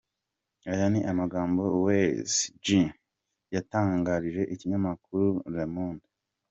Aya ni amagambo Weizhi Ji yatangarije ikinyamakuru Le monde.